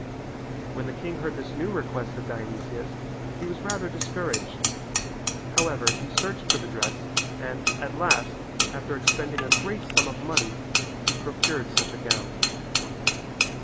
When the king heard this new request of Dionysia's he was rather discouraged. However he searched for the dress and, at last, after expending a great sum of money, he procured such a gown.